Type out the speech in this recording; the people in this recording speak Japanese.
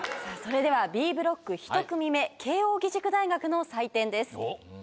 それではＢブロック１組目慶應義塾大学の採点です。